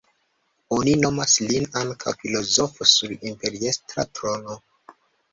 Oni nomas lin ankaŭ "filozofo sur imperiestra trono".